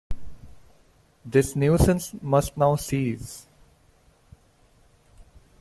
This nuisance must now cease.